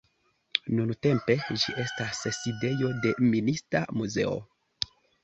Nuntempe ĝi estas sidejo de Minista muzeo.